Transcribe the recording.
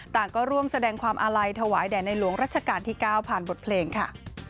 ต่างก็ร่วมแสดงความอาลัยถวายแด่ในหลวงรัชกาลที่๙ผ่านบทเพลงค่ะ